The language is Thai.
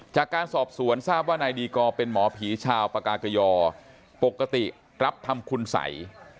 จากการสอบสวนทราบว่านายดีกอร์เป็นหมอผีชาวปากากยอปกติรับทำคุณสัย